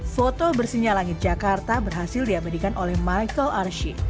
foto bersihnya langit jakarta berhasil diabadikan oleh michael arsyi